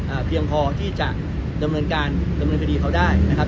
เพียงพอที่จะดำเนินการดำเนินคดีเขาได้นะครับ